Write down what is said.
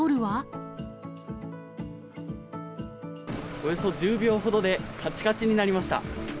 およそ１０秒ほどで、かちかちになりました。